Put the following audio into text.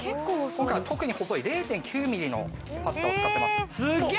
今回は特に細い０．９ミリのパスタを使ってます。